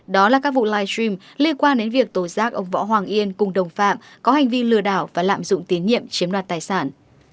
đó là các vụ live stream liên quan đến việc tổ giác ông võ hoàng yên cùng đồng phạm có hành vi lừa đảo và lạm dụng tín nhiệm chiếm đoạt tài sản